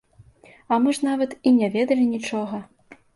А мы ж нават і не ведалі нічога.